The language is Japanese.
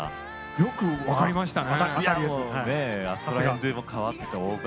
よく分かりましたね